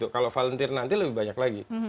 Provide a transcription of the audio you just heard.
kalau volunteer nanti lebih banyak lagi